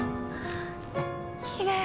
きれい。